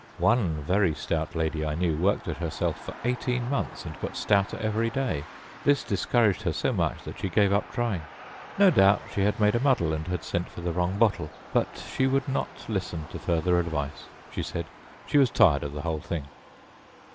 One very stout lady I knew worked at herself for eighteen months and got stouter every day. This discouraged her so much that she gave up trying. No doubt she had made a muddle and had sent for the wrong bottle, but she would not listen to further advice. She said she was tired of the whole thing.